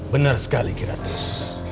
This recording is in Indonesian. benar sekali kira terus